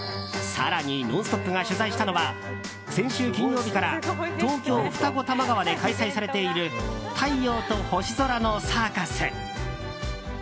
更に「ノンストップ！」が取材したのは先週金曜日から東京・二子玉川で開催されている「太陽と星空のサーカス」。